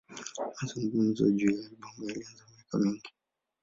Mazungumzo juu ya albamu yalianza miaka mingi.